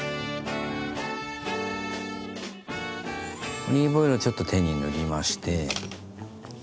オリーブオイルをちょっと手に塗りまして。